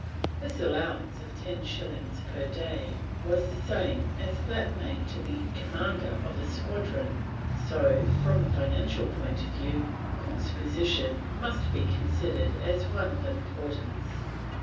This allowance of 10 shillings per day was the same as that made to the Commander of a Squadron, so, from a financial point of view, Cook's position must be considered one of importance.